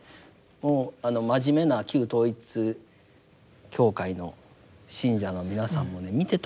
もう真面目な旧統一教会の信者の皆さんもね見てたらいいと思いますね。